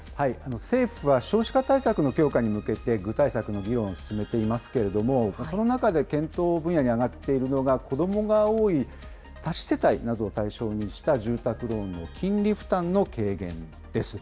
政府は少子化対策の強化に向けて、具体策の議論を進めていますけれども、その中で検討分野に挙がっているのが、子どもが多い多子世帯などを対象にした、住宅ローンの金利負担の軽減です。